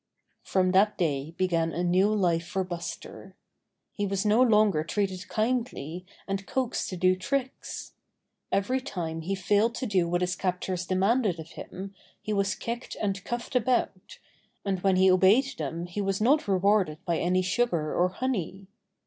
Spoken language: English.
From that day began a new life for Buster. He was no longer treated kindly and coaxed to do tricks. Every time he failed to do what his captors demanded of him he was kicked and cuffed about, and when he obeyed them he was not rewarded by any sugar or honey.